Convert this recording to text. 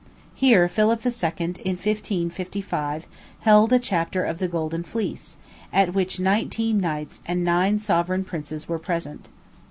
Here Philip II., in 1555, held a chapter of the Golden Fleece, at which nineteen knights and nine sovereign princes were present.